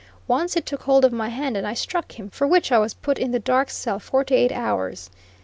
Once he took hold of me and I struck him, for which I was put in the dark cell forty eight hours.